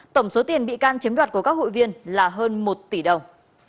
tổng số tiền bị can chiếm đoạt của các hội viên là hơn một tỷ đồng